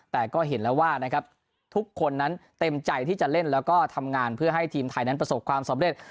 แต่ก็เห็นแล้วว่านะครับทุกคนนั้นเต็มใจที่จะเล่นแล้วก็ทำงานเพื่อให้ทีมไทยนั้นประสบความสำเร็จ